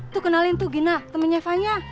tuh kenalin tuh gina temennya vanya